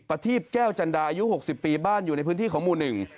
ปฏีบแก้วจันดาอายุ๖๐ปีบ้านอยู่ในพื้นที่ของวูลหนึ่ง